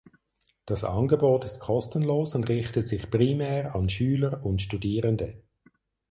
Das Angebot ist kostenlos und richtet sich primär an Schüler und Studierende.